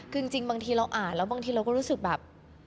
คือจริงบางทีเราอ่านแล้วบางทีเราก็รู้สึกแบบ